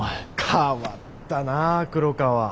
変わったな黒川。